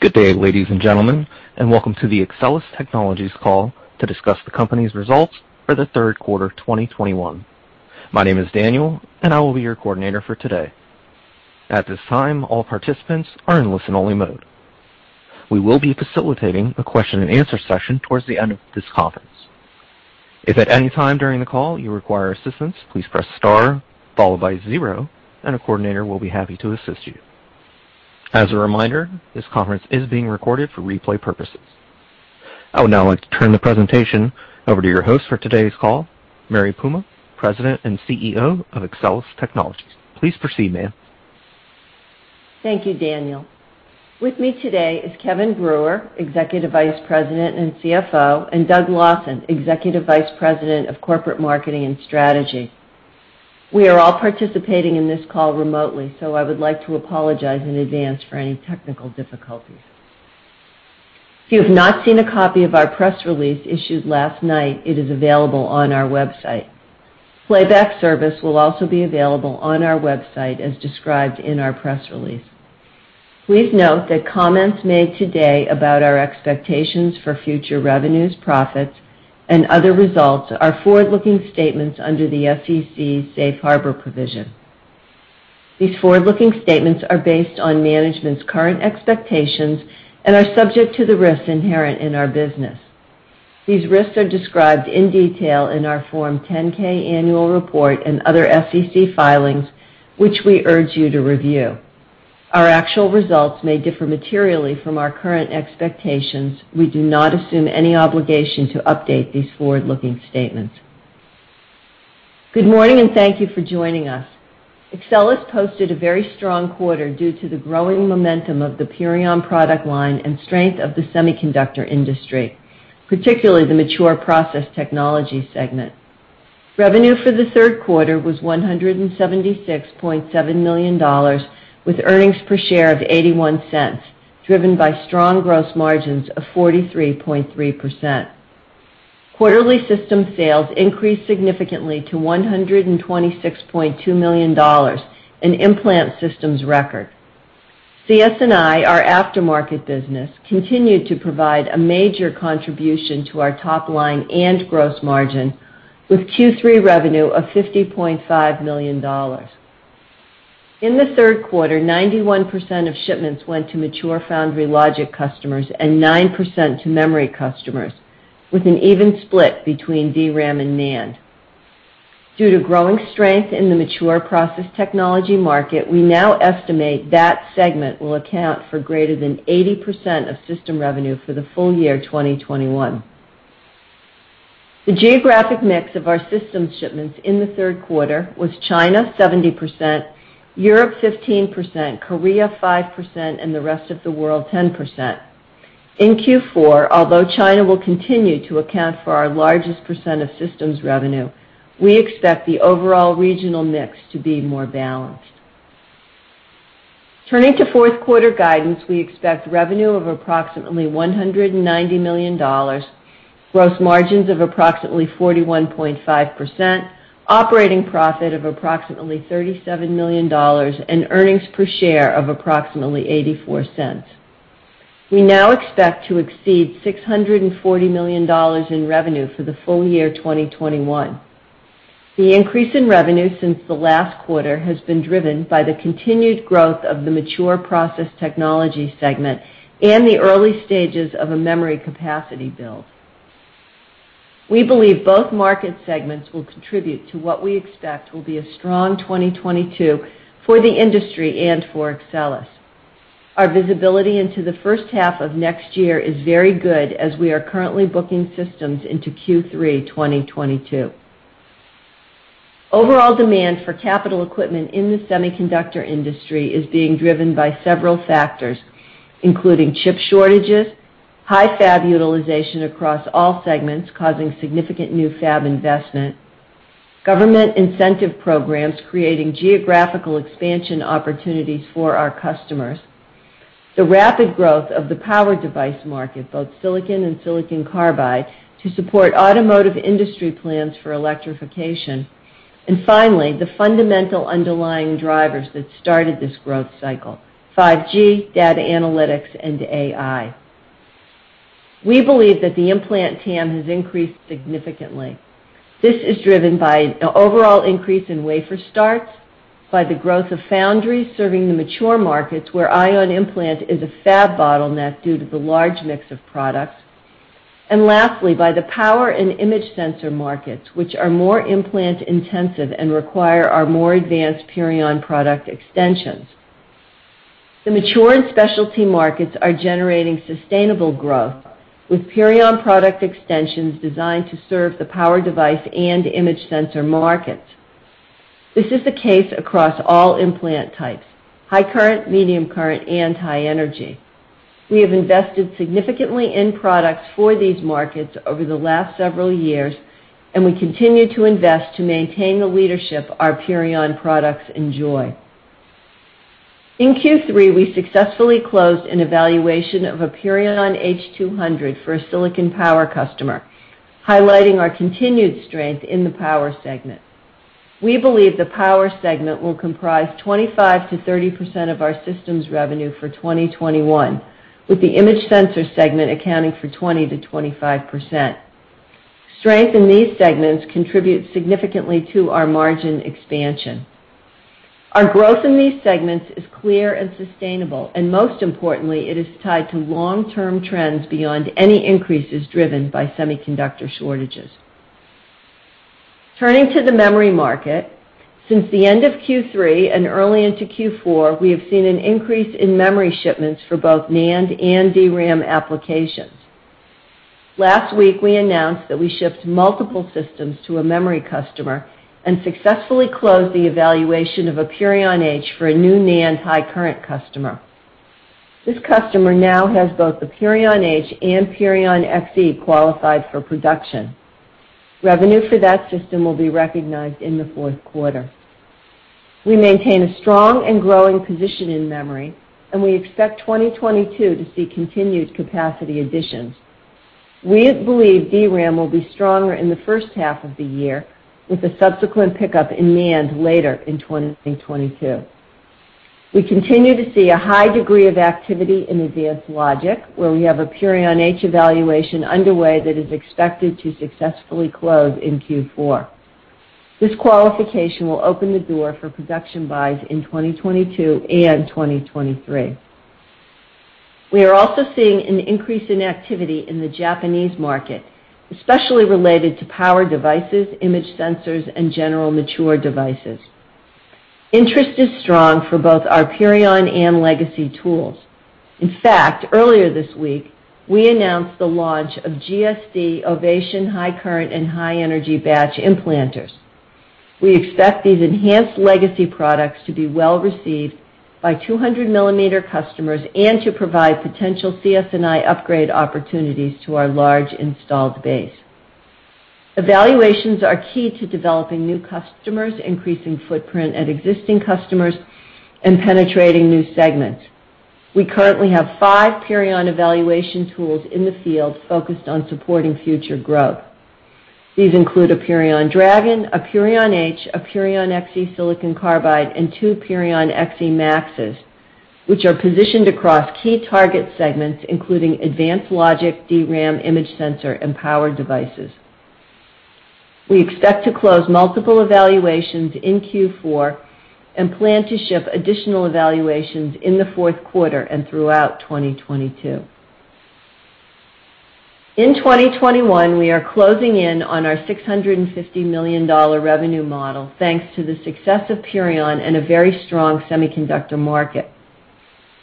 Good day, ladies and gentlemen, and welcome to the Axcelis Technologies call to discuss the company's results for the third quarter, 2021. My name is Daniel, and I will be your coordinator for today. At this time, all participants are in listen-only mode. We will be facilitating a question and answer session towards the end of this conference. If at any time during the call you require assistance, please press star followed by zero, and a coordinator will be happy to assist you. As a reminder, this conference is being recorded for replay purposes. I would now like to turn the presentation over to your host for today's call, Mary Puma, President and CEO of Axcelis Technologies. Please proceed, ma'am. Thank you, Daniel. With me today is Kevin Brewer, Executive Vice President and CFO, and Doug Lawson, Executive Vice President of Corporate Marketing and Strategy. We are all participating in this call remotely, so I would like to apologize in advance for any technical difficulties. If you have not seen a copy of our press release issued last night, it is available on our website. Playback service will also be available on our website, as described in our press release. Please note that comments made today about our expectations for future revenues, profits, and other results are forward-looking statements under the SEC's safe harbor provision. These forward-looking statements are based on management's current expectations and are subject to the risks inherent in our business. These risks are described in detail in our Form 10-K annual report and other SEC filings, which we urge you to review. Our actual results may differ materially from our current expectations. We do not assume any obligation to update these forward-looking statements. Good morning, and thank you for joining us. Axcelis posted a very strong quarter due to the growing momentum of the Purion product line and strength of the semiconductor industry, particularly the mature process technology segment. Revenue for the third quarter was $176.7 million, with earnings per share of $0.81, driven by strong gross margins of 43.3%. Quarterly system sales increased significantly to $126.2 million, an implant systems record. CS&I, our aftermarket business, continued to provide a major contribution to our top line and gross margin with Q3 revenue of $50.5 million. In the third quarter, 91% of shipments went to mature foundry logic customers and 9% to memory customers, with an even split between DRAM and NAND. Due to growing strength in the mature process technology market, we now estimate that segment will account for greater than 80% of system revenue for the full year 2021. The geographic mix of our system shipments in the third quarter was China 70%, Europe 15%, Korea 5%, and the rest of the world 10%. In Q4, although China will continue to account for our largest percent of systems revenue, we expect the overall regional mix to be more balanced. Turning to fourth quarter guidance, we expect revenue of approximately $190 million, gross margins of approximately 41.5%, operating profit of approximately $37 million, and earnings per share of approximately $0.84. We now expect to exceed $640 million in revenue for the full year 2021. The increase in revenue since the last quarter has been driven by the continued growth of the mature process technology segment and the early stages of a memory capacity build. We believe both market segments will contribute to what we expect will be a strong 2022 for the industry and for Axcelis. Our visibility into the first half of next year is very good as we are currently booking systems into Q3 2022. Overall demand for capital equipment in the semiconductor industry is being driven by several factors, including chip shortages, high fab utilization across all segments, causing significant new fab investment, government incentive programs creating geographical expansion opportunities for our customers, the rapid growth of the power device market, both silicon and silicon carbide, to support automotive industry plans for electrification. Finally, the fundamental underlying drivers that started this growth cycle, 5G, data analytics, and AI. We believe that the implant TAM has increased significantly. This is driven by an overall increase in wafer starts, by the growth of foundries serving the mature markets, where ion implant is a fab bottleneck due to the large mix of products. Lastly, by the power and image sensor markets, which are more implant-intensive and require our more advanced Purion product extensions. The mature and specialty markets are generating sustainable growth, with Purion product extensions designed to serve the power device and image sensor markets. This is the case across all implant types: high current, medium current, and high energy. We have invested significantly in products for these markets over the last several years, and we continue to invest to maintain the leadership our Purion products enjoy. In Q3, we successfully closed an evaluation of a Purion H200 for a silicon power customer, highlighting our continued strength in the power segment. We believe the power segment will comprise 25%-30% of our systems revenue for 2021, with the image sensor segment accounting for 20%-25%. Strength in these segments contribute significantly to our margin expansion. Our growth in these segments is clear and sustainable, and most importantly, it is tied to long-term trends beyond any increases driven by semiconductor shortages. Turning to the memory market, since the end of Q3 and early into Q4, we have seen an increase in memory shipments for both NAND and DRAM applications. Last week, we announced that we shipped multiple systems to a memory customer and successfully closed the evaluation of a Purion H for a new NAND high current customer. This customer now has both the Purion H and Purion XE qualified for production. Revenue for that system will be recognized in the fourth quarter. We maintain a strong and growing position in memory, and we expect 2022 to see continued capacity additions. We believe DRAM will be stronger in the first half of the year, with a subsequent pickup in NAND later in 2022. We continue to see a high degree of activity in advanced logic, where we have a Purion H evaluation underway that is expected to successfully close in Q4. This qualification will open the door for production buys in 2022 and 2023. We are also seeing an increase in activity in the Japanese market, especially related to power devices, image sensors, and general mature devices. Interest is strong for both our Purion and Legacy tools. In fact, earlier this week, we announced the launch of GSD Ovation high current and high energy batch implanters. We expect these enhanced Legacy products to be well-received by 200 millimeter customers and to provide potential CS&I upgrade opportunities to our large installed base. Evaluations are key to developing new customers, increasing footprint at existing customers, and penetrating new segments. We currently have five Purion evaluation tools in the field focused on supporting future growth. These include a Purion Dragon, a Purion H, a Purion XE SiC, and two Purion XEmaxes, which are positioned across key target segments, including advanced logic, DRAM, image sensor, and power devices. We expect to close multiple evaluations in Q4 and plan to ship additional evaluations in the fourth quarter and throughout 2022. In 2021, we are closing in on our $650 million revenue model, thanks to the success of Purion and a very strong semiconductor market.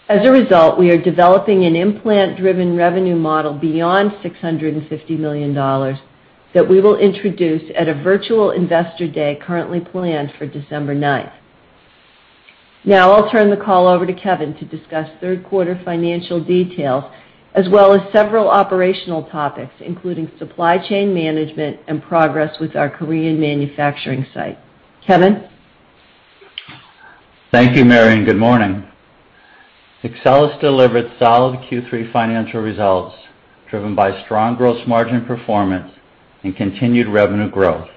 As a result, we are developing an implant-driven revenue model beyond $650 million that we will introduce at a virtual investor day currently planned for December 9th. Now I'll turn the call over to Kevin to discuss third quarter financial details as well as several operational topics, including supply chain management and progress with our Korean manufacturing site. Kevin? Thank you, Mary, and good morning. Axcelis delivered solid Q3 financial results driven by strong gross margin performance and continued revenue growth.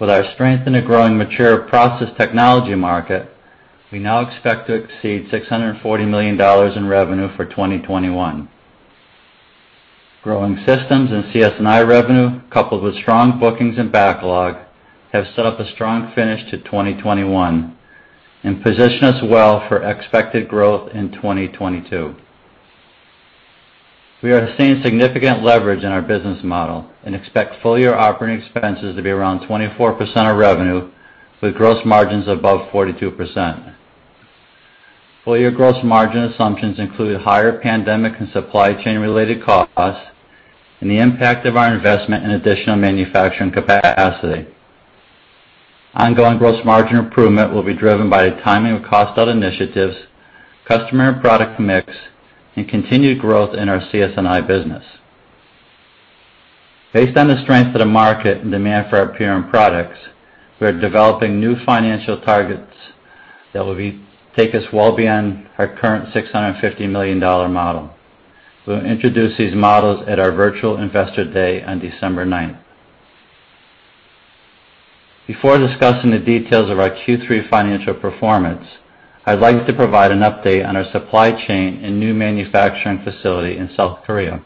With our strength in a growing mature process technology market, we now expect to exceed $640 million in revenue for 2021. Growing systems and CS&I revenue, coupled with strong bookings and backlog, have set up a strong finish to 2021 and position us well for expected growth in 2022. We are seeing significant leverage in our business model and expect full-year operating expenses to be around 24% of revenue, with gross margins above 42%. Full-year gross margin assumptions include higher pandemic and supply chain-related costs and the impact of our investment in additional manufacturing capacity. Ongoing gross margin improvement will be driven by the timing of cost out initiatives, customer and product mix, and continued growth in our CS&I business. Based on the strength of the market and demand for our Purion products, we are developing new financial targets that will take us well beyond our current $650 million model. We'll introduce these models at our virtual investor day on December 9th. Before discussing the details of our Q3 financial performance, I'd like to provide an update on our supply chain and new manufacturing facility in South Korea.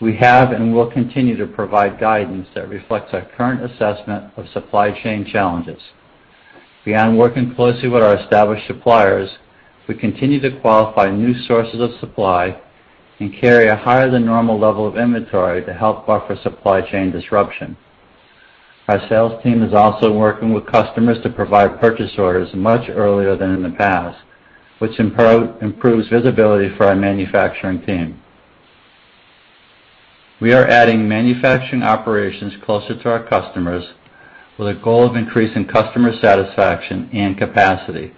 We have and will continue to provide guidance that reflects our current assessment of supply chain challenges. Beyond working closely with our established suppliers, we continue to qualify new sources of supply and carry a higher than normal level of inventory to help buffer supply chain disruption. Our sales team is also working with customers to provide purchase orders much earlier than in the past, which improves visibility for our manufacturing team. We are adding manufacturing operations closer to our customers with a goal of increasing customer satisfaction and capacity.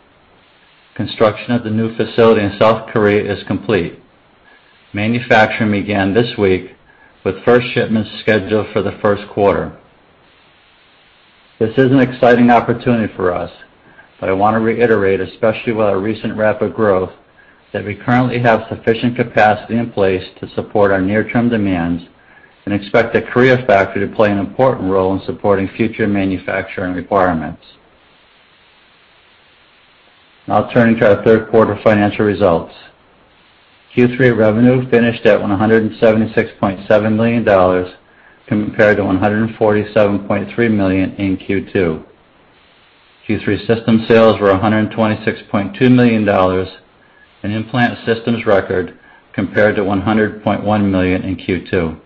Construction of the new facility in South Korea is complete. Manufacturing began this week, with first shipments scheduled for the first quarter. This is an exciting opportunity for us. I want to reiterate, especially with our recent rapid growth, that we currently have sufficient capacity in place to support our near-term demands and expect the Korea factory to play an important role in supporting future manufacturing requirements. Now turning to our third quarter financial results. Q3 revenue finished at $176.7 million compared to $147.3 million in Q2. Q3 system sales were $126.2 million, an implant systems record, compared to $100.1 million in Q2.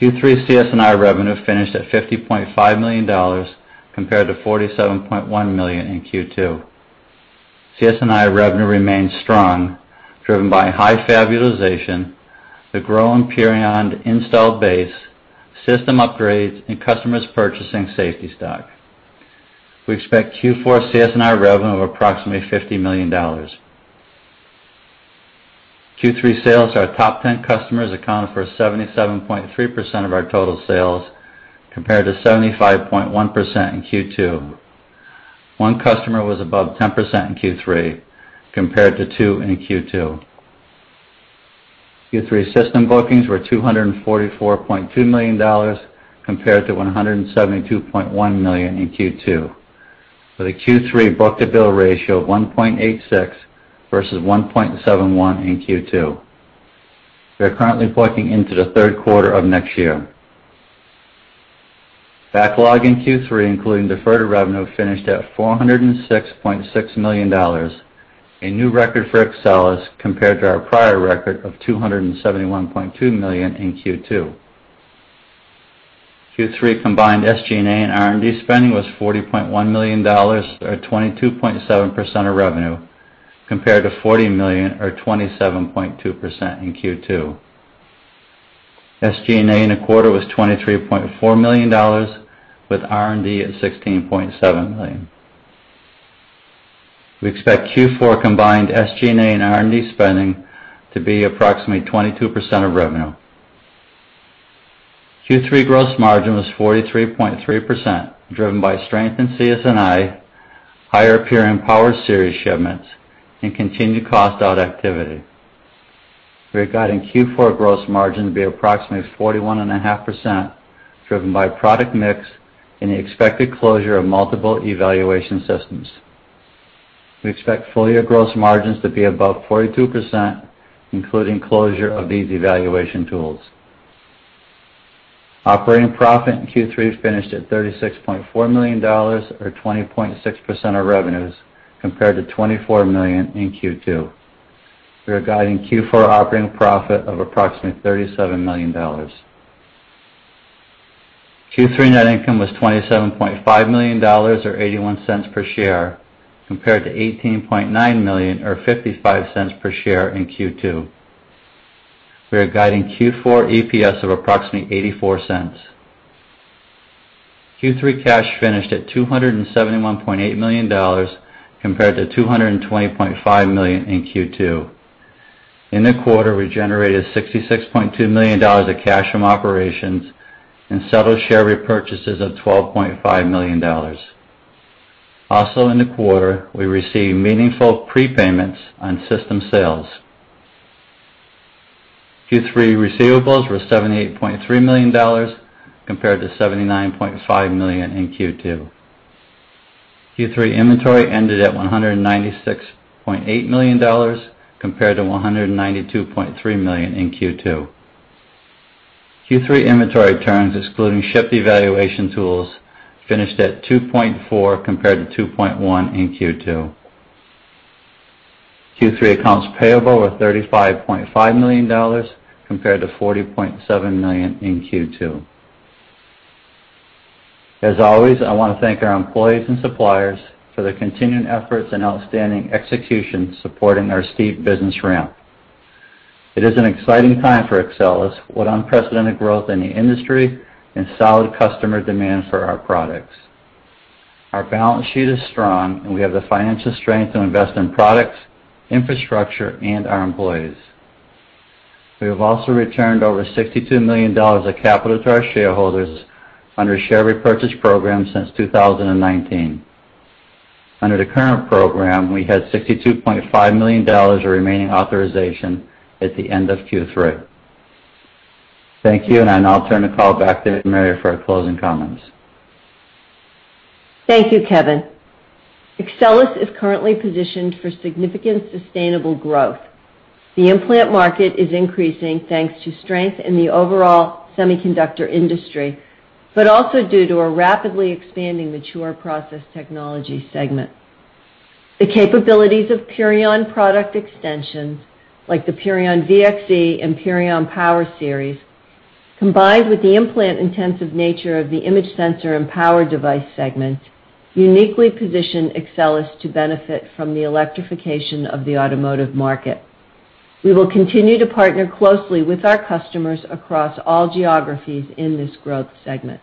Q3 CS&I revenue finished at $50.5 million compared to $47.1 million in Q2. CS&I revenue remains strong, driven by high fab utilization, the growing Purion installed base, system upgrades, and customers purchasing safety stock. We expect Q4 CS&I revenue of approximately $50 million. Q3 sales to our top ten customers accounted for 77.3% of our total sales, compared to 75.1% in Q2. One customer was above 10% in Q3 compared to two in Q2. Q3 system bookings were $244.2 million compared to $172.1 million in Q2, with a Q3 book-to-bill ratio of 1.86 versus 1.71 in Q2. We are currently booking into the third quarter of next year. Backlog in Q3, including deferred revenue, finished at $406.6 million, a new record for Axcelis compared to our prior record of $271.2 million in Q2. Q3 combined SG&A and R&D spending was $40.1 million or 22.7% of revenue, compared to $40 million or 27.2% in Q2. SG&A in the quarter was $23.4 million with R&D at $16.7 million. We expect Q4 combined SG&A and R&D spending to be approximately 22% of revenue. Q3 gross margin was 43.3%, driven by strength in CS&I, higher Purion Power Series shipments, and continued cost out activity. We are guiding Q4 gross margin to be approximately 41.5%, driven by product mix and the expected closure of multiple evaluation systems. We expect full year gross margins to be above 42%, including closure of these evaluation tools. Operating profit in Q3 finished at $36.4 million or 20.6% of revenues, compared to $24 million in Q2. We are guiding Q4 operating profit of approximately $37 million. Q3 net income was $27.5 million or $0.81 per share, compared to $18.9 million or $0.55 per share in Q2. We are guiding Q4 EPS of approximately $0.84. Q3 cash finished at $271.8 million compared to $220.5 million in Q2. In the quarter, we generated $66.2 million of cash from operations and settled share repurchases of $12.5 million. Also in the quarter, we received meaningful prepayments on system sales. Q3 receivables were $78.3 million compared to $79.5 million in Q2. Q3 inventory ended at $196.8 million compared to $192.3 million in Q2. Q3 inventory turns, excluding shipped evaluation tools, finished at 2.4 compared to 2.1 in Q2. Q3 accounts payable were $35.5 million compared to $40.7 million in Q2. As always, I want to thank our employees and suppliers for their continued efforts and outstanding execution supporting our steep business ramp. It is an exciting time for Axcelis with unprecedented growth in the industry and solid customer demand for our products. Our balance sheet is strong, and we have the financial strength to invest in products, infrastructure, and our employees. We have also returned over $62 million of capital to our shareholders under a share repurchase program since 2019. Under the current program, we had $62.5 million of remaining authorization at the end of Q3. Thank you, and I'll now turn the call back to Mary for our closing comments. Thank you, Kevin. Axcelis is currently positioned for significant sustainable growth. The implant market is increasing thanks to strength in the overall semiconductor industry, but also due to a rapidly expanding mature process technology segment. The capabilities of Purion product extensions, like the Purion VXE and Purion Power Series, combined with the implant-intensive nature of the image sensor and power device segments, uniquely position Axcelis to benefit from the electrification of the automotive market. We will continue to partner closely with our customers across all geographies in this growth segment.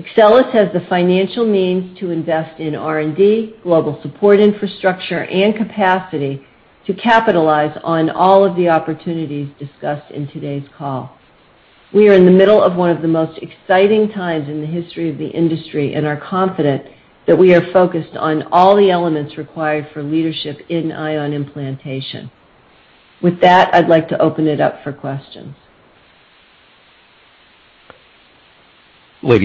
Axcelis has the financial means to invest in R&D, global support infrastructure, and capacity to capitalize on all of the opportunities discussed in today's call. We are in the middle of one of the most exciting times in the history of the industry and are confident that we are focused on all the elements required for leadership in ion implantation. With that, I'd like to open it up for questions. Our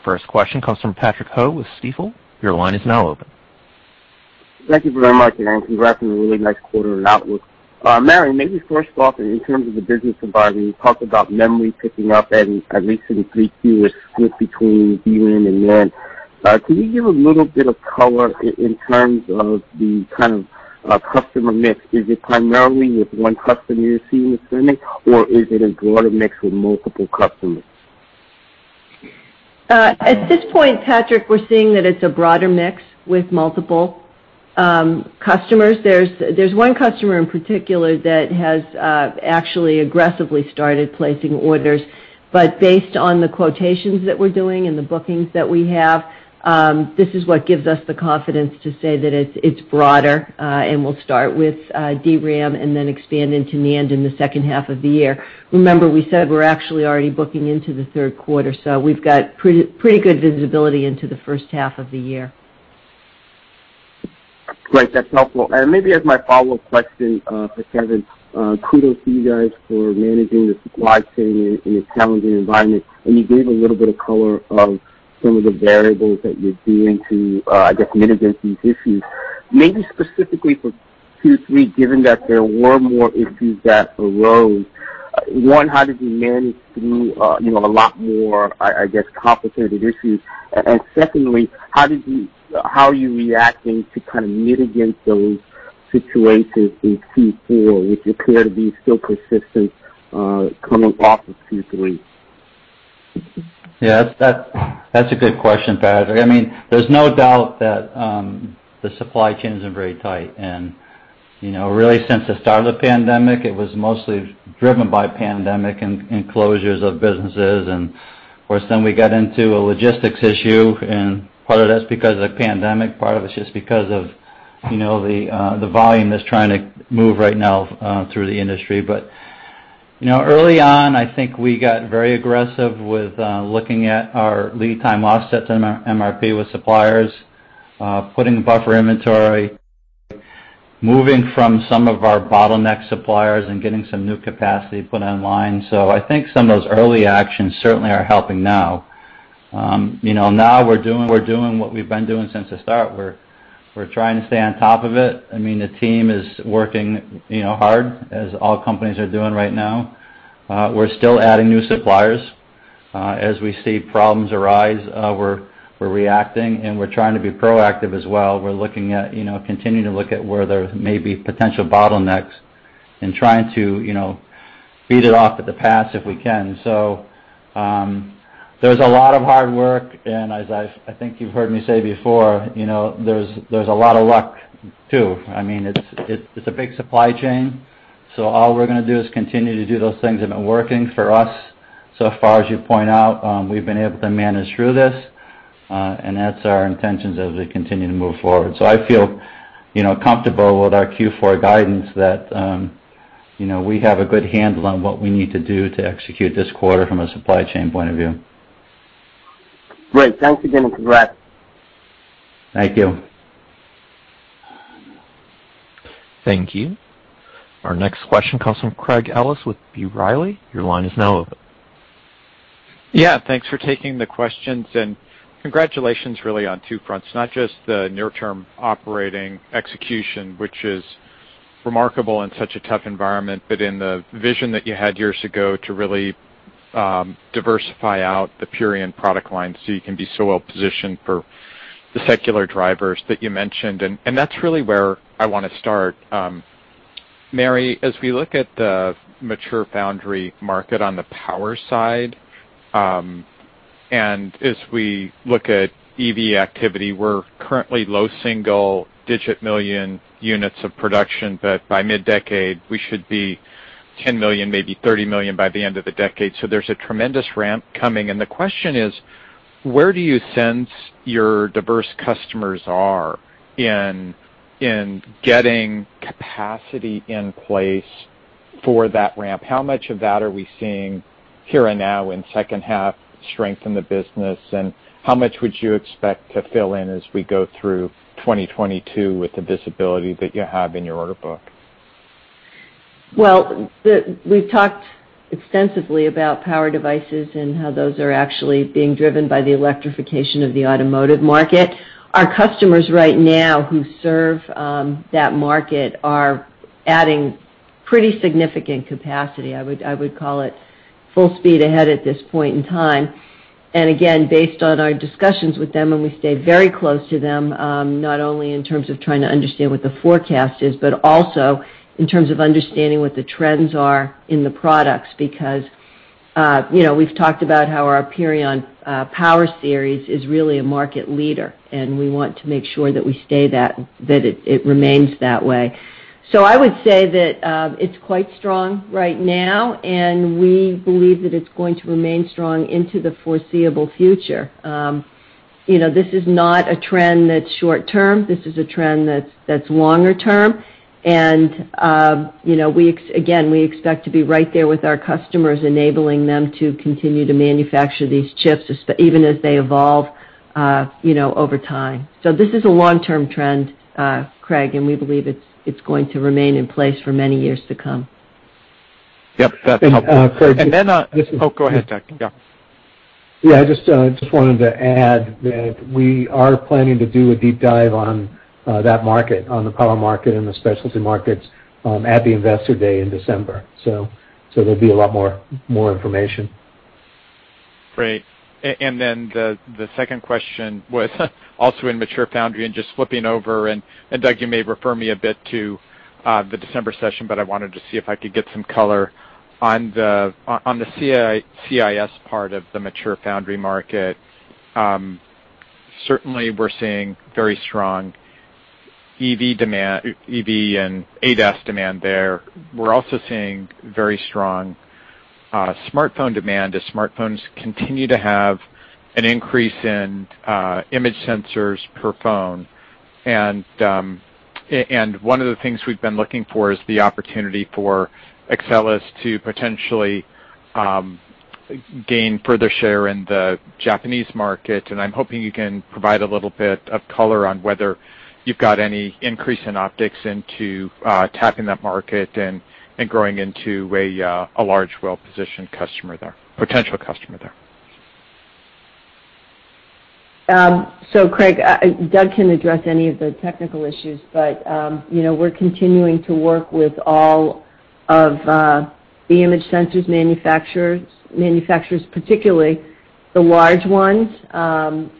first question comes from Patrick Ho with Stifel. Your line is now open. Thank you very much, and congrats on a really nice quarter and outlook. Mary, maybe first off, in terms of the business environment, you talked about memory picking up and at least in the Q3 a split between DRAM and NAND. Can you give a little bit of color in terms of the kind of customer mix? Is it primarily with one customer you're seeing this in, or is it a broader mix with multiple customers? At this point, Patrick, we're seeing that it's a broader mix with multiple customers. There's one customer in particular that has actually aggressively started placing orders. Based on the quotations that we're doing and the bookings that we have, this is what gives us the confidence to say that it's broader, and we'll start with DRAM and then expand into NAND in the second half of the year. Remember, we said we're actually already booking into the third quarter, so we've got pretty good visibility into the first half of the year. Great. That's helpful. Maybe as my follow-up question, for Kevin, kudos to you guys for managing the supply chain in a challenging environment, and you gave a little bit of color on some of the variables that you're doing to, I guess, mitigate these issues. Maybe specifically for Q3, given that there were more issues that arose, one, how did you manage through, you know, a lot more, I guess, complicated issues? And secondly, how are you reacting to kind of mitigate those situations in Q4, which appear to be still persistent, coming off of Q3? Yeah. That's a good question, Patrick. I mean, there's no doubt that the supply chain's been very tight. You know, really since the start of the pandemic, it was mostly driven by pandemic and closures of businesses. Of course, then we got into a logistics issue, and part of that's because of the pandemic, part of it's just because of you know, the volume that's trying to move right now through the industry. You know, early on, I think we got very aggressive with looking at our lead time offsets in our MRP with suppliers, putting buffer inventory, moving from some of our bottleneck suppliers and getting some new capacity put online. I think some of those early actions certainly are helping now. You know, now we're doing what we've been doing since the start. We're trying to stay on top of it. I mean, the team is working, you know, hard, as all companies are doing right now. We're still adding new suppliers. As we see problems arise, we're reacting, and we're trying to be proactive as well. We're looking at, you know, continuing to look at where there may be potential bottlenecks and trying to, you know, beat it off at the pass if we can. There's a lot of hard work, and I think you've heard me say before, you know, there's a lot of luck too. I mean, it's a big supply chain, so all we're gonna do is continue to do those things that have been working for us. So far as you point out, we've been able to manage through this, and that's our intentions as we continue to move forward. I feel, you know, comfortable with our Q4 guidance that, you know, we have a good handle on what we need to do to execute this quarter from a supply chain point of view. Great. Thanks again, and congrats. Thank you. Thank you. Our next question comes from Craig Ellis with B. Riley. Your line is now open. Yeah. Thanks for taking the questions, and congratulations really on two fronts, not just the near-term operating execution, which is remarkable in such a tough environment, but in the vision that you had years ago to really diversify out the Purion product line so you can be so well-positioned for the secular drivers that you mentioned. That's really where I wanna start. Mary, as we look at the mature foundry market on the power side, and as we look at EV activity, we're currently low single-digit million units of production, but by mid-decade, we should be 10 million, maybe 30 million by the end of the decade. There's a tremendous ramp coming, and the question is, where do you sense your diverse customers are in getting capacity in place for that ramp? How much of that are we seeing here and now in second half strength in the business, and how much would you expect to fill in as we go through 2022 with the visibility that you have in your order book? Well, we've talked extensively about power devices and how those are actually being driven by the electrification of the automotive market. Our customers right now who serve that market are adding pretty significant capacity. I would call it full speed ahead at this point in time. Again, based on our discussions with them, and we stay very close to them, not only in terms of trying to understand what the forecast is, but also in terms of understanding what the trends are in the products. Because you know, we've talked about how our Purion Power Series is really a market leader, and we want to make sure that it remains that way. I would say that it's quite strong right now, and we believe that it's going to remain strong into the foreseeable future. You know, this is not a trend that's short-term. This is a trend that's longer-term. You know, we again expect to be right there with our customers, enabling them to continue to manufacture these chips, even as they evolve, you know, over time. This is a long-term trend, Craig, and we believe it's going to remain in place for many years to come. Yep. That's helpful. Craig. And then, uh- This is- Oh, go ahead, Doug. Yeah. Yeah. I just wanted to add that we are planning to do a deep dive on that market, on the power market and the specialty markets, at the Investor Day in December. There'll be a lot more information. Great. Then the second question was also in mature foundry and just flipping over. Doug, you may remind me a bit to the December session, but I wanted to see if I could get some color on the CIS part of the mature foundry market. Certainly we're seeing very strong EV demand, EV and ADAS demand there. We're also seeing very strong smartphone demand as smartphones continue to have an increase in image sensors per phone. One of the things we've been looking for is the opportunity for Axcelis to potentially gain further share in the Japanese market. I'm hoping you can provide a little bit of color on whether you've got any increase in optics into tapping that market and growing into a large, well-positioned customer there, potential customer there. Craig, Doug can address any of the technical issues, but you know, we're continuing to work with all of the image sensors manufacturers, particularly the large ones.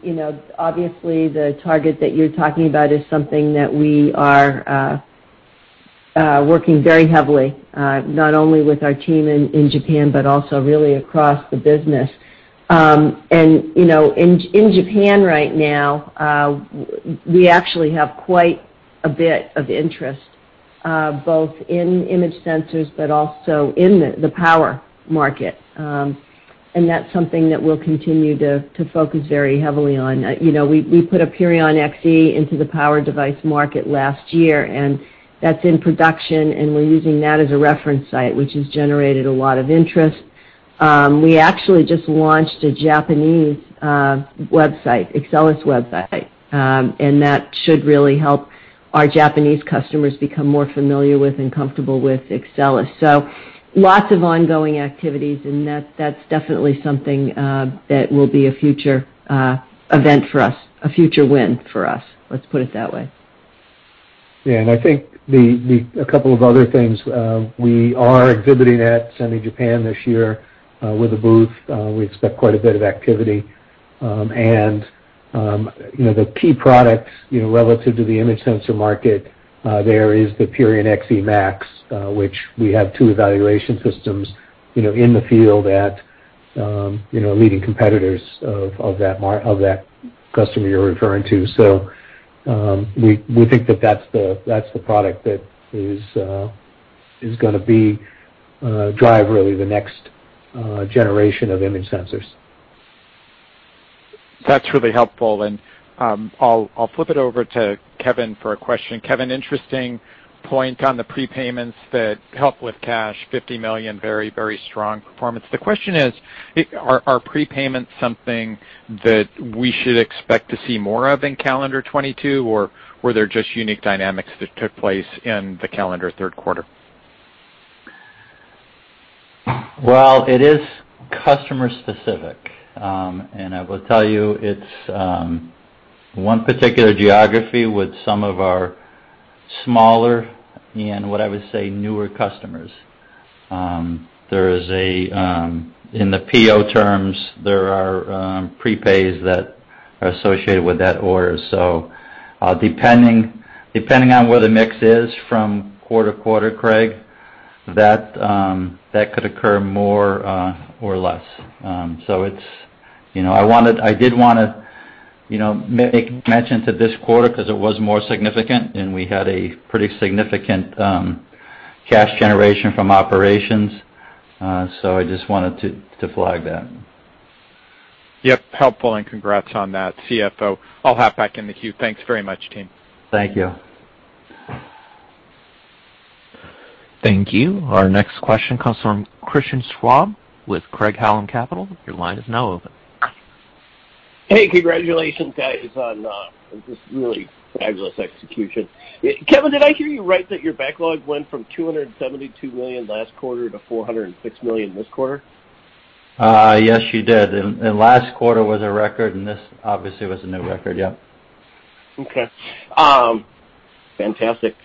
You know, obviously the target that you're talking about is something that we are working very heavily, not only with our team in Japan but also really across the business. You know, in Japan right now, we actually have quite a bit of interest, both in image sensors but also in the power market. That's something that we'll continue to focus very heavily on. You know, we put a Purion XE into the power device market last year, and that's in production, and we're using that as a reference site, which has generated a lot of interest. We actually just launched a Japanese website, Axcelis website, and that should really help our Japanese customers become more familiar with and comfortable with Axcelis. Lots of ongoing activities, and that's definitely something that will be a future event for us, a future win for us, let's put it that way. Yeah. I think a couple of other things. We are exhibiting at SEMICON Japan this year with a booth. We expect quite a bit of activity. You know, the key products, you know, relative to the image sensor market, there is the Purion XEmax, which we have two evaluation systems, you know, in the field at leading competitors of that customer you're referring to. We think that that's the product that is gonna drive really the next generation of image sensors. That's really helpful. I'll flip it over to Kevin for a question. Kevin, interesting point on the prepayments that help with cash, $50 million, very, very strong performance. The question is, are prepayments something that we should expect to see more of in calendar 2022, or were there just unique dynamics that took place in the calendar third quarter? Well, it is customer specific. I will tell you, it's one particular geography with some of our smaller and what I would say newer customers. In the PO terms, there are prepays that are associated with that order. Depending on where the mix is from quarter-to-quarter, Craig, that could occur more or less. It's, you know, I did want to, you know, make mention to this quarter 'cause it was more significant, and we had a pretty significant cash generation from operations. I just wanted to flag that. Yep, helpful, and congrats on that, CFO. I'll hop back in the queue. Thanks very much, team. Thank you. Thank you. Our next question comes from Christian Schwab with Craig-Hallum Capital Group. Your line is now open. Hey. Congratulations, guys, on this really fabulous execution. Kevin, did I hear you right that your backlog went from $272 million last quarter to $406 million this quarter? Yes, you did. Last quarter was a record, and this obviously was a new record. Yep. Okay. Fantastic.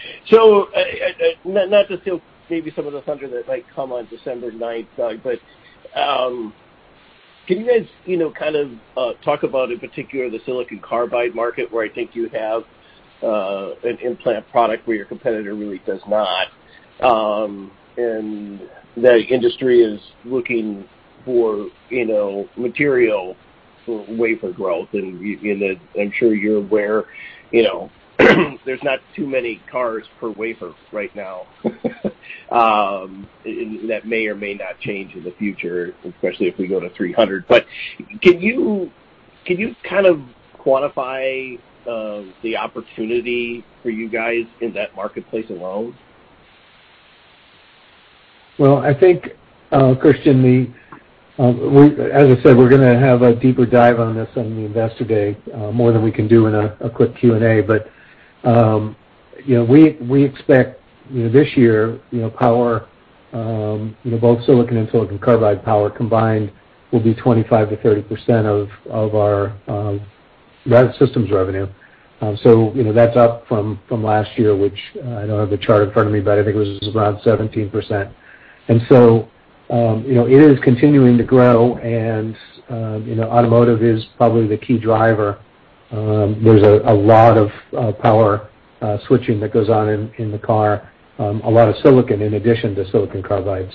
Not to steal maybe some of the thunder that might come on December 9th, but can you guys, you know, kind of talk about, in particular, the silicon carbide market, where I think you have an implant product where your competitor really does not, and the industry is looking for, you know, material for wafer growth. You know, I'm sure you're aware, you know, there's not too many chips per wafer right now. That may or may not change in the future, especially if we go to 300. Can you kind of quantify the opportunity for you guys in that marketplace alone? Well, I think, Christian, as I said, we're gonna have a deeper dive on this on the Investor Day, more than we can do in a quick Q&A. You know, we expect, you know, this year, you know, power, you know, both silicon and silicon carbide power combined will be 25%-30% of our systems revenue. So, you know, that's up from last year, which I don't have the chart in front of me, but I think it was around 17%. It is continuing to grow. You know, automotive is probably the key driver. There's a lot of power switching that goes on in the car, a lot of silicon in addition to silicon carbide.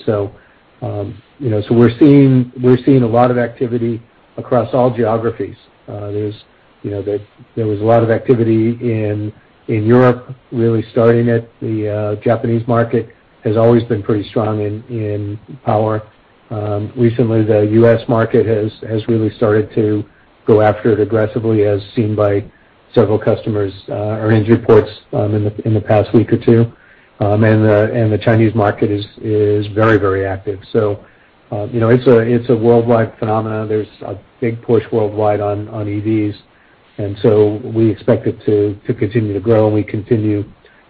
You know, so we're seeing a lot of activity across all geographies. You know, there was a lot of activity in Europe really starting it. The Japanese market has always been pretty strong in power. Recently, the U.S. market has really started to go after it aggressively, as seen by several customers' earnings reports in the past week or two. The Chinese market is very active. You know, it's a worldwide phenomenon. There's a big push worldwide on EVs. We expect it to continue to grow, and we continue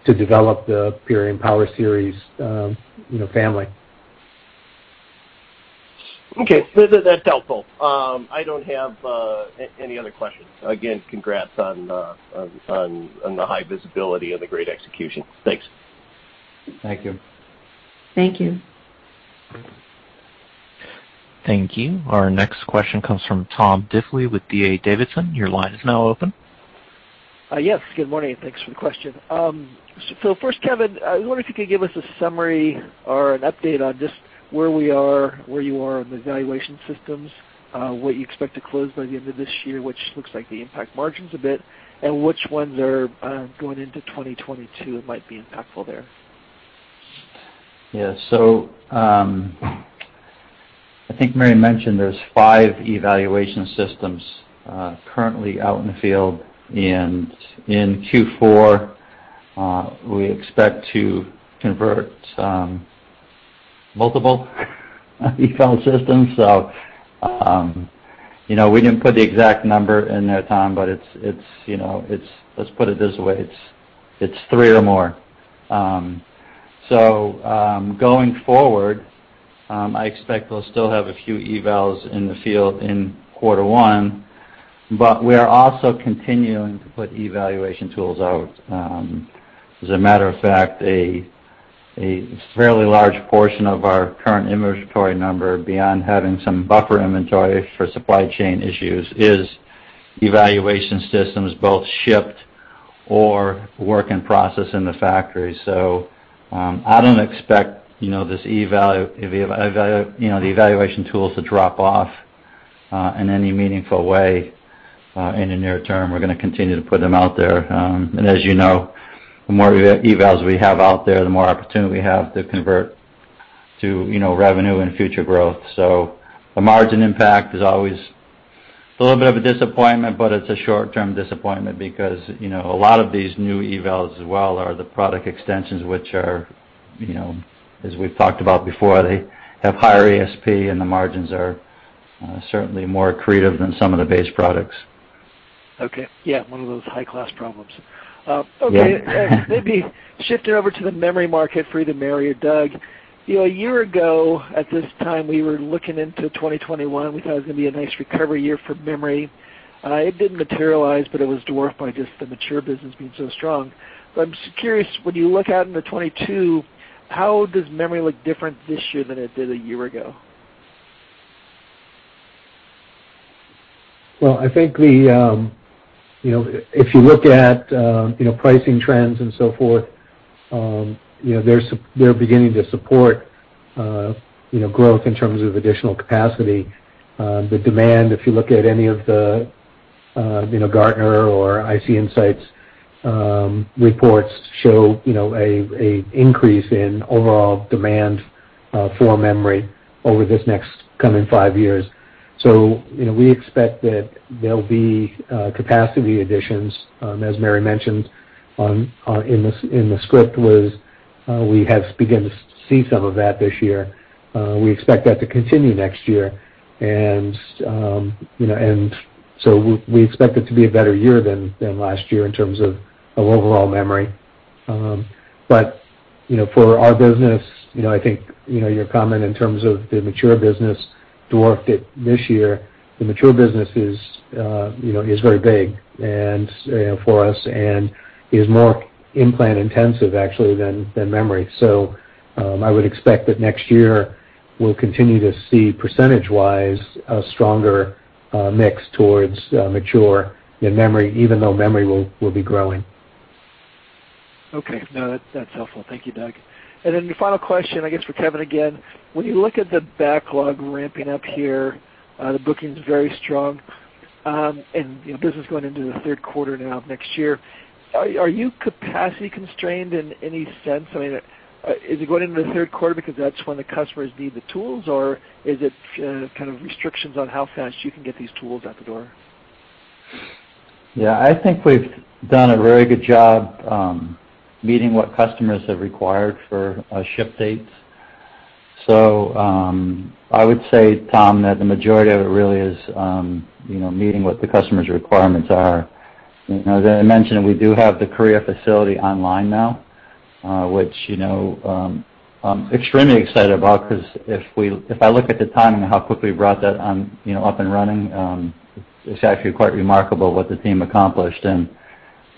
to develop the Purion Power Series, you know, family. Okay. That's helpful. I don't have any other questions. Again, congrats on the high visibility and the great execution. Thanks. Thank you. Thank you. Thank you. Our next question comes from Tom Diffely with D.A. Davidson. Your line is now open. Yes. Good morning. Thanks for the question. First, Kevin, I wonder if you could give us a summary or an update on just where we are, where you are on the evaluation systems, what you expect to close by the end of this year, which looks like it impacts margins a bit, and which ones are going into 2022 might be impactful there. I think Mary mentioned there's five evaluation systems currently out in the field. In Q4, we expect to convert multiple eval systems. You know, we didn't put the exact number in there, Tom, but it's three or more. Going forward, I expect we'll still have a few evals in the field in quarter one, but we're also continuing to put evaluation tools out. As a matter of fact, a fairly large portion of our current inventory number, beyond having some buffer inventory for supply chain issues, is evaluation systems both shipped or work in process in the factory. I don't expect, you know, this evaluation tools to drop off in any meaningful way in the near term. We're gonna continue to put them out there. As you know, the more evals we have out there, the more opportunity we have to convert to, you know, revenue and future growth. The margin impact is always a little bit of a disappointment, but it's a short-term disappointment because, you know, a lot of these new evals as well are the product extensions, which are, you know, as we've talked about before, they have higher ASP, and the margins are certainly more accretive than some of the base products. Okay. Yeah, one of those high-class problems. Okay. Yeah. Maybe shifting over to the memory market for either Mary or Doug. You know, a year ago at this time, we were looking into 2021. We thought it was gonna be a nice recovery year for memory. It didn't materialize, but it was dwarfed by just the mature business being so strong. I'm just curious, when you look out into 2022, how does memory look different this year than it did a year ago? I think, you know, if you look at, you know, pricing trends and so forth, you know, they're beginning to support, you know, growth in terms of additional capacity. The demand, if you look at any of the, you know, Gartner or IC Insights, reports show, you know, an increase in overall demand, for memory over this next coming five years. You know, we expect that there'll be capacity additions, as Mary mentioned, in the script, we have begun to see some of that this year. We expect that to continue next year. You know, we expect it to be a better year than last year in terms of overall memory. You know, for our business, you know, I think, you know, your comment in terms of the mature business dwarfed it this year. The mature business is you know is very big, and for us, and is more implant-intensive actually than memory. I would expect that next year we'll continue to see percentage-wise a stronger mix towards mature than memory, even though memory will be growing. Okay. No, that's helpful. Thank you, Doug. The final question, I guess, for Kevin again. When you look at the backlog ramping up here, the booking's very strong, and, you know, business going into the third quarter now of next year, are you capacity constrained in any sense? I mean, is it going into the third quarter because that's when the customers need the tools, or is it, kind of restrictions on how fast you can get these tools out the door? Yeah, I think we've done a very good job, meeting what customers have required for, ship dates. I would say, Tom, that the majority of it really is, you know, meeting what the customer's requirements are. You know, as I mentioned, we do have the Korea facility online now, which, you know, I'm extremely excited about because if I look at the timing of how quickly we brought that on, you know, up and running, it's actually quite remarkable what the team accomplished.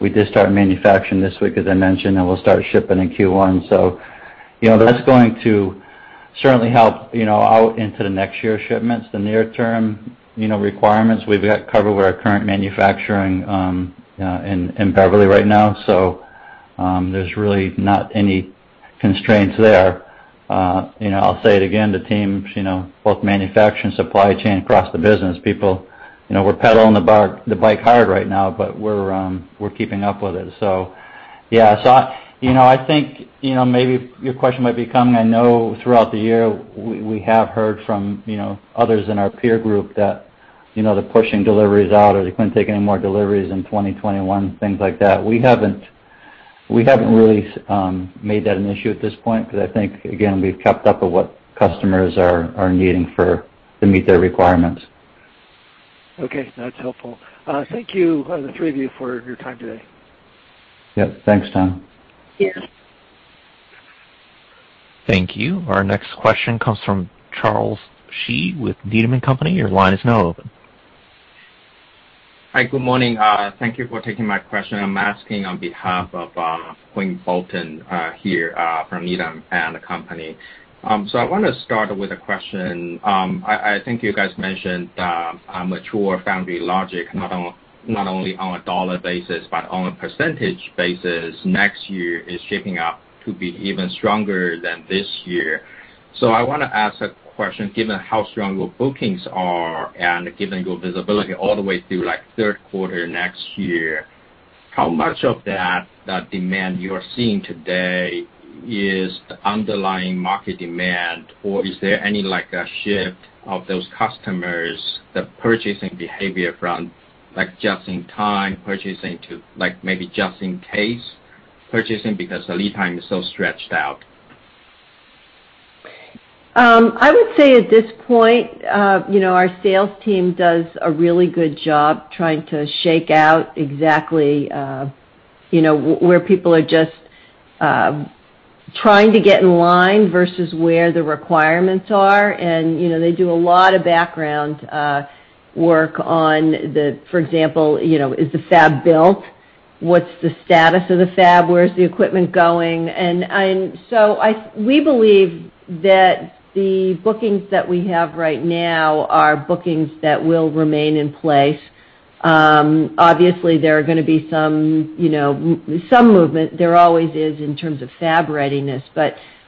We did start manufacturing this week, as I mentioned, and we'll start shipping in Q1. That's going to certainly help, you know, out into the next year shipments. The near-term, you know, requirements we've got covered with our current manufacturing, in Beverly right now. There's really not any constraints there. You know, I'll say it again, the teams, you know, both manufacturing, supply chain across the business, people, you know, we're pedaling the bike hard right now, but we're keeping up with it. Yeah, you know, I think, you know, maybe your question might be coming. I know throughout the year, we have heard from, you know, others in our peer group that, you know, they're pushing deliveries out or they couldn't take any more deliveries in 2021, things like that. We haven't really made that an issue at this point because I think, again, we've kept up with what customers are needing for to meet their requirements. Okay, that's helpful. Thank you, the three of you for your time today. Yep. Thanks, Tom. Yes. Thank you. Our next question comes from Charles Shi with Needham & Company. Your line is now open. Hi. Good morning. Thank you for taking my question. I'm asking on behalf of Quinn Bolton here from Needham & Company. I want to start with a question. I think you guys mentioned mature foundry logic, not only on a dollar basis, but on a percentage basis, next year is shaping up to be even stronger than this year. I want to ask a question, given how strong your bookings are and given your visibility all the way through, like, third quarter next year, how much of that demand you are seeing today is underlying market demand? Or is there any, like, a shift of those customers, the purchasing behavior from, like, just-in-time purchasing to, like, maybe just-in-case purchasing because the lead time is so stretched out? I would say at this point, you know, our sales team does a really good job trying to shake out exactly, you know, where people are just trying to get in line versus where the requirements are. You know, they do a lot of background work on the, for example, you know, is the fab built? What's the status of the fab? Where's the equipment going? We believe that the bookings that we have right now are bookings that will remain in place. Obviously, there are gonna be some, you know, some movement. There always is in terms of fab readiness.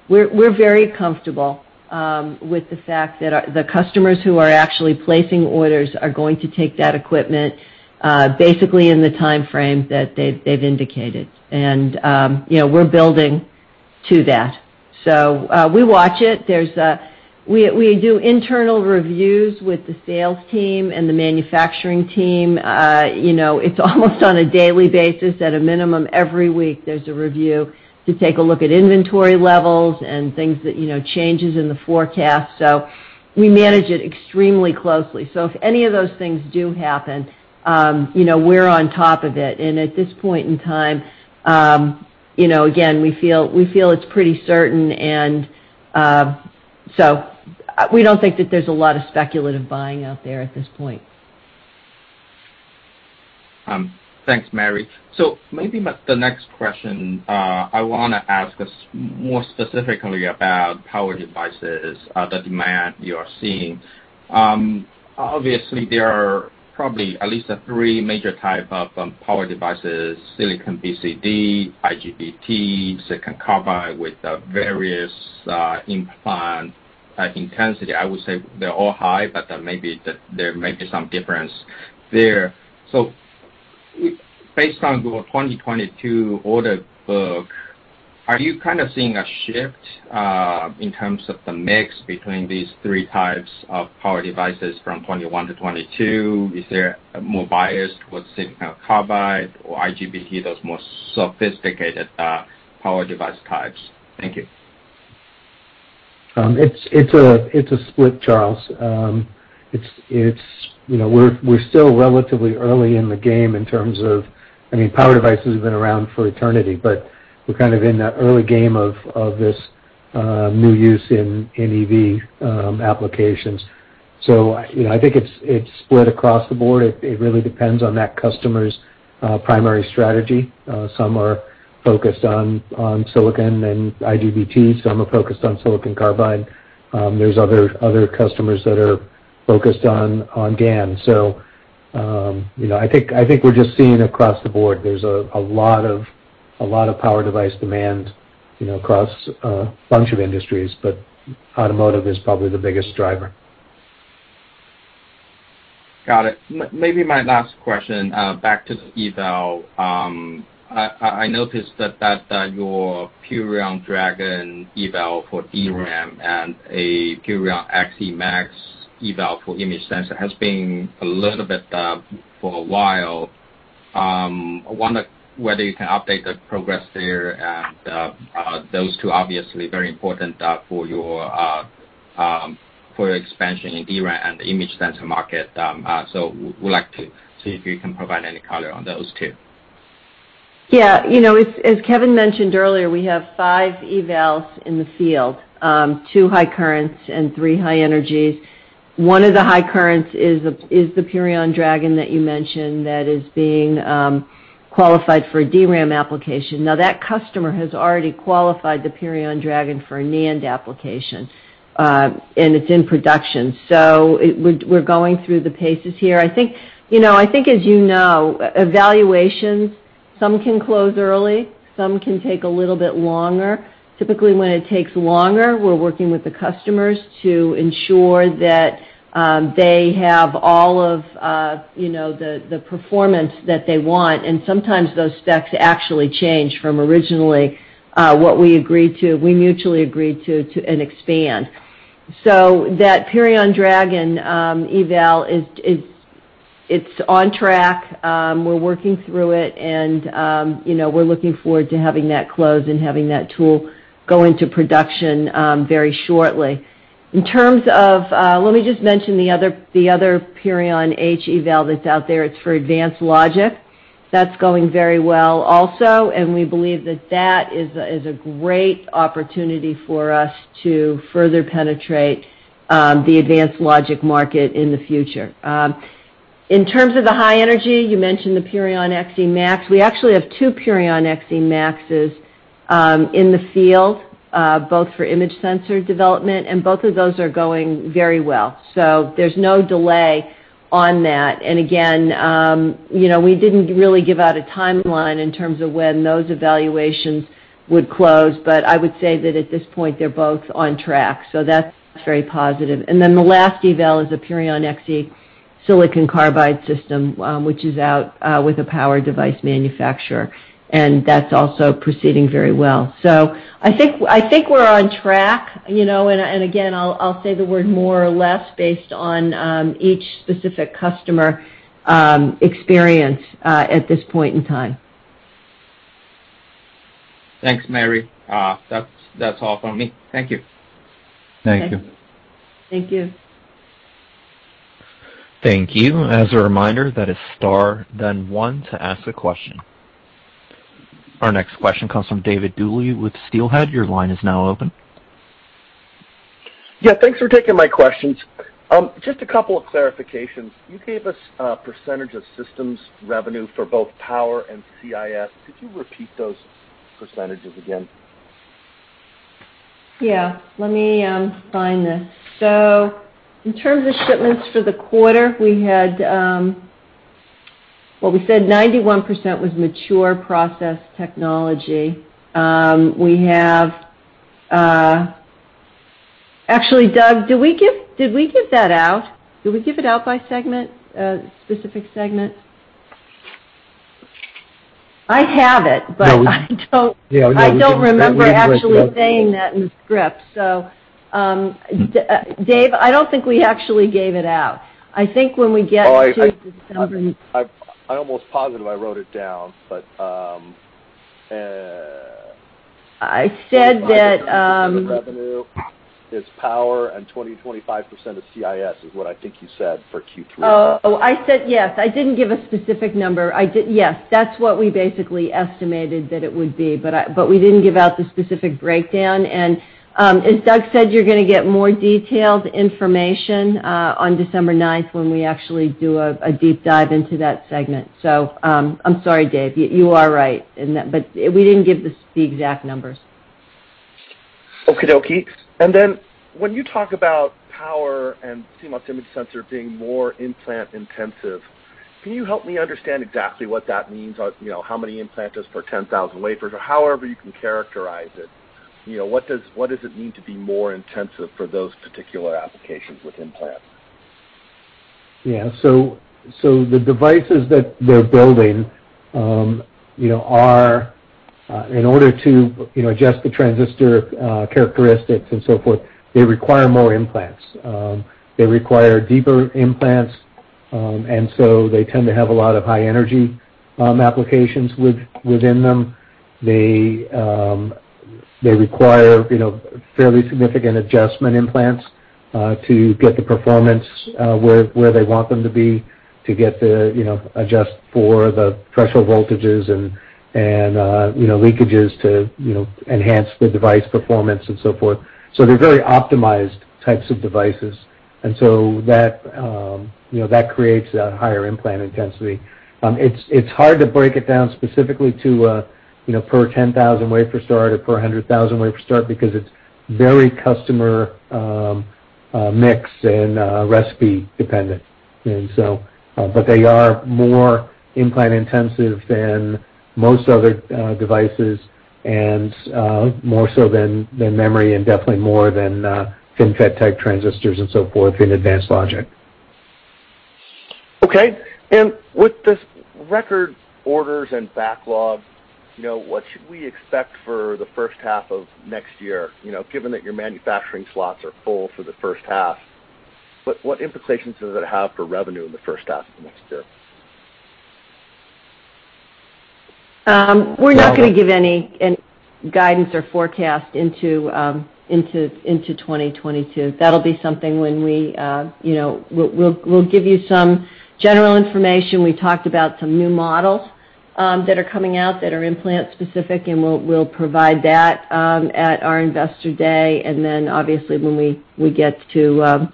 We're very comfortable with the fact that our the customers who are actually placing orders are going to take that equipment basically in the timeframe that they've indicated. You know, we're building to that. We watch it. We do internal reviews with the sales team and the manufacturing team. You know, it's almost on a daily basis. At a minimum every week, there's a review to take a look at inventory levels and things that, you know, changes in the forecast. We manage it extremely closely. If any of those things do happen, you know, we're on top of it. At this point in time, you know, again, we feel it's pretty certain and we don't think that there's a lot of speculative buying out there at this point. Thanks, Mary. Maybe the next question I wanna ask is more specifically about power devices, the demand you are seeing. Obviously, there are probably at least three major type of power devices, silicon BCD, IGBT, silicon carbide with various implant intensity. I would say they're all high, but there may be some difference there. Based on your 2022 order book, are you kind of seeing a shift in terms of the mix between these three types of power devices from 2021 t-2022? Is there more biased with silicon carbide or IGBT, those more sophisticated power device types? Thank you. It's a split, Charles. It's you know, we're still relatively early in the game in terms of, I mean, power devices have been around for eternity, but we're kind of in the early game of this new use in EV applications. I think it's split across the board. It really depends on that customer's primary strategy. Some are focused on silicon and IGBTs, some are focused on silicon carbide. There's other customers that are focused on GaN. You know, I think we're just seeing across the board there's a lot of power device demand, you know, across a bunch of industries, but automotive is probably the biggest driver. Got it. Maybe my last question, back to eval. I noticed that your Purion Dragon eval for DRAM and a Purion XEmax eval for image sensor has been a little bit for a while. I wonder whether you can update the progress there, and those two obviously very important for your expansion in DRAM and image sensor market. Would like to see if you can provide any color on those two. Yeah. You know, as Kevin mentioned earlier, we have five evals in the field, two high currents and three high energies. One of the high currents is the Purion Dragon that you mentioned that is being qualified for a DRAM application. Now, that customer has already qualified the Purion Dragon for a NAND application, and it's in production. So we're going through the paces here. I think, you know, as you know, evaluations, some can close early, some can take a little bit longer. Typically, when it takes longer, we're working with the customers to ensure that they have all of the performance that they want, and sometimes those specs actually change from originally what we agreed to, we mutually agreed to and expand. That Purion Dragon eval is on track. We're working through it and, you know, we're looking forward to having that close and having that tool go into production very shortly. In terms of, let me just mention the other Purion H eval that's out there, it's for advanced logic. That's going very well also, and we believe that is a great opportunity for us to further penetrate the advanced logic market in the future. In terms of the high energy, you mentioned the Purion XEmax. We actually have two Purion XEmaxes in the field, both for image sensor development, and both of those are going very well. There's no delay on that. Again, you know, we didn't really give out a timeline in terms of when those evaluations would close, but I would say that at this point they're both on track. That's very positive. Then the last eval is a Purion XE silicon carbide system, which is out with a power device manufacturer, and that's also proceeding very well. I think we're on track, you know. Again, I'll say the word more or less based on each specific customer experience at this point in time. Thanks, Mary. That's all from me. Thank you. Thank you. Thank you. Thank you. As a reminder, that is star then one to ask a question. Our next question comes from David Duley with Steelhead. Your line is now open. Yeah, thanks for taking my questions. Just a couple of clarifications. You gave us a percentage of systems revenue for both power and CIS. Could you repeat those percentages again? Yeah. Let me find this. In terms of shipments for the quarter, we had... Well, we said 91% was mature process technology. We have... Actually, Doug, did we give that out? Did we give it out by segment, specific segment? I have it, but I don't- Yeah. I don't remember actually saying that in the script. Dave, I don't think we actually gave it out. I think when we get to December- I'm almost positive I wrote it down, but I said that- 25% of revenue is power and 20%-25% of CIS is what I think you said for Q3. Yes. I didn't give a specific number. I did. Yes. That's what we basically estimated that it would be, but we didn't give out the specific breakdown. As Doug said, you're gonna get more detailed information on December 9th when we actually do a deep dive into that segment. I'm sorry, Dave, you are right in that, but we didn't give the exact numbers. Okie dokie. When you talk about power and CMOS image sensor being more implant intensive, can you help me understand exactly what that means? You know, how many implant does per 10,000 wafers or however you can characterize it? You know, what does it mean to be more intensive for those particular applications with implants? The devices that they're building, you know, are in order to, you know, adjust the transistor characteristics and so forth. They require more implants. They require deeper implants, and so they tend to have a lot of high energy applications within them. They require, you know, fairly significant adjustment implants. To get the performance where they want them to be, to get the, you know, adjust for the threshold voltages and you know, leakages to, you know, enhance the device performance and so forth. They're very optimized types of devices. That creates that higher implant intensity. It's hard to break it down specifically to, you know, per 10,000 wafer start or per 100,000 wafer start because it's very customer mix and recipe dependent. But they are more implant intensive than most other devices and more so than memory and definitely more than FinFET-type transistors and so forth in advanced logic. Okay. With this record orders and backlog, you know, what should we expect for the first half of next year? You know, given that your manufacturing slots are full for the first half, but what implications does it have for revenue in the first half of next year? We're not gonna give any guidance or forecast into 2022. That'll be something when we, you know. We'll give you some general information. We talked about some new models that are coming out that are implant specific, and we'll provide that at our Investor Day. Then, obviously, when we get to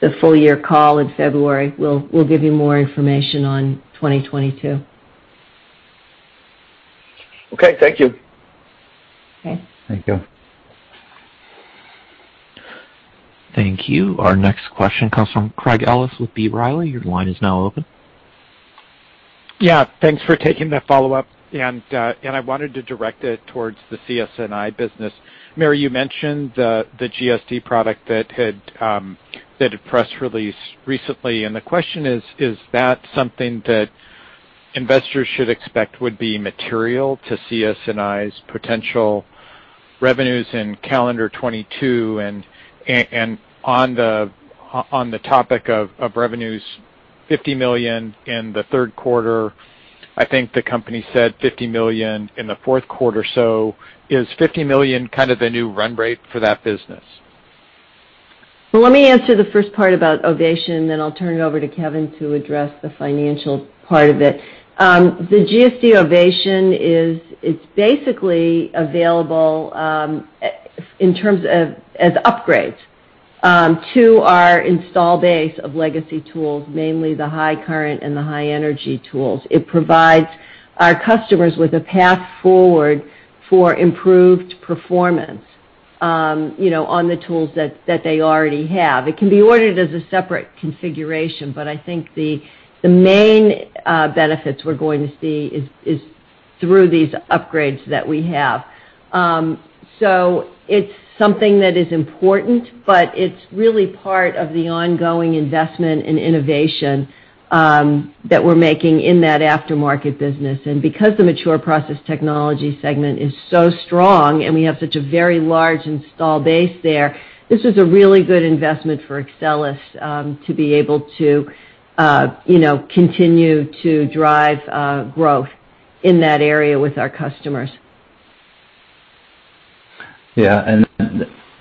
the full year call in February, we'll give you more information on 2022. Okay. Thank you. Okay. Thank you. Thank you. Our next question comes from Craig Ellis with B. Riley. Your line is now open. Yeah. Thanks for taking the follow-up. I wanted to direct it towards the CS&I business. Mary, you mentioned the GSD product that had press release recently. The question is that something that investors should expect would be material to CS&I's potential revenues in calendar 2022? On the topic of revenues, $50 million in the third quarter, I think the company said $50 million in the fourth quarter. Is $50 million kind of the new run rate for that business? Well, let me answer the first part about Ovation, then I'll turn it over to Kevin to address the financial part of it. The GSD Ovation is. It's basically available in terms of as upgrades to our install base of legacy tools, mainly the high current and the high energy tools. It provides our customers with a path forward for improved performance, you know, on the tools that they already have. It can be ordered as a separate configuration, but I think the main benefits we're going to see is through these upgrades that we have. It's something that is important, but it's really part of the ongoing investment in innovation that we're making in that aftermarket business. Because the mature process technology segment is so strong and we have such a very large install base there, this was a really good investment for Axcelis, to be able to, you know, continue to drive growth in that area with our customers. Yeah.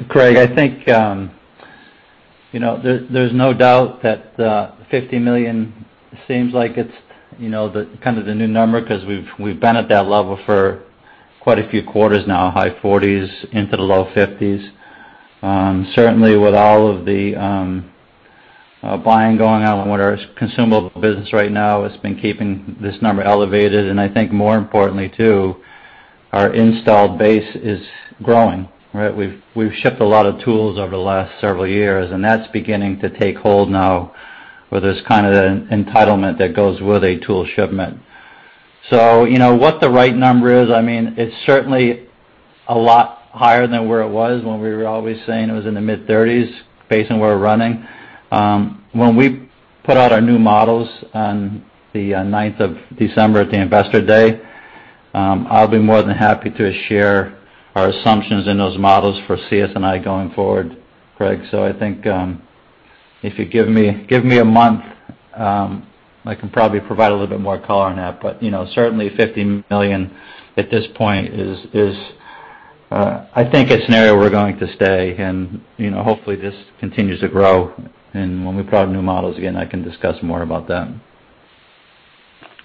Craig, I think you know, there's no doubt that $50 million seems like it's you know, the kind of the new number 'cause we've been at that level for quite a few quarters now, high $40s to low $50s. Certainly with all of the buying going on with our consumable business right now has been keeping this number elevated. I think more importantly too, our installed base is growing, right? We've shipped a lot of tools over the last several years, and that's beginning to take hold now where there's kind of an entitlement that goes with a tool shipment. You know, what the right number is, I mean, it's certainly a lot higher than where it was when we were always saying it was in the mid $30s, based on where we're running. When we put out our new models on the 9th of December at the Investor Day, I'll be more than happy to share our assumptions in those models for CS&I going forward, Craig. I think if you give me a month, I can probably provide a little bit more color on that. You know, certainly $50 million at this point is an area we're going to stay. You know, hopefully this continues to grow. When we put out new models again, I can discuss more about them.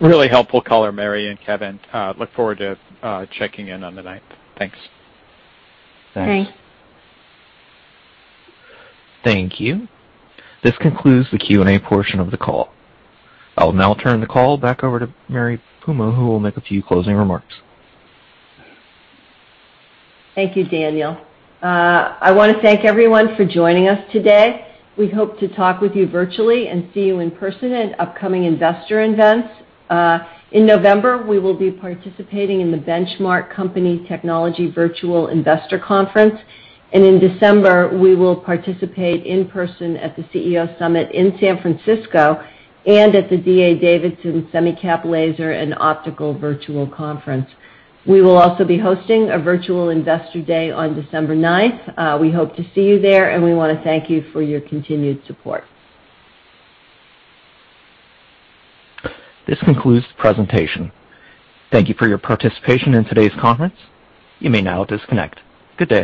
Really helpful color, Mary and Kevin. Look forward to checking in on the 9th. Thanks. Thanks. Thanks. Thank you. This concludes the Q&A portion of the call. I will now turn the call back over to Mary Puma, who will make a few closing remarks. Thank you, Daniel. I wanna thank everyone for joining us today. We hope to talk with you virtually and see you in person at upcoming investor events. In November, we will be participating in the Benchmark Company Technology Virtual Investor Conference. In December, we will participate in person at the CEO Summit in San Francisco and at the D.A. Davidson Semicap, Laser and Optical Virtual Conference. We will also be hosting a virtual investor day on December 9th. We hope to see you there, and we wanna thank you for your continued support. This concludes the presentation. Thank you for your participation in today's conference. You may now disconnect. Good day.